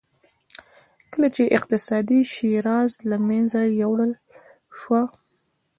کله چې اقتصادي شیرازه له منځه یووړل شوه.